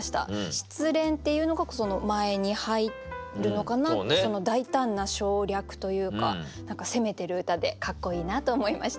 「失恋」っていうのがその前に入るのかなってその大胆な省略というか何か攻めてる歌でかっこいいなと思いました。